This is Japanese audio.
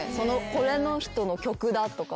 「この人の曲だ」とか。